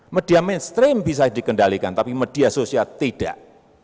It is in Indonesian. media mainstream bisa dikendalikan tapi media sosial tidak